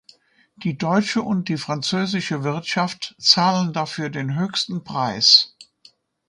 Die deutsche und die französische Wirtschaft zahlen dafür den höchsten Preis.